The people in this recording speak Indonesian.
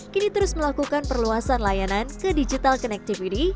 kini terus melakukan perluasan layanan ke digital connectivity